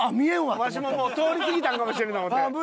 わしももう通り過ぎたんかもしれんと思って。